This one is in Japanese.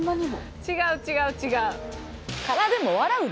違う違う違う。